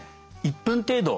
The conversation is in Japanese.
１分程度。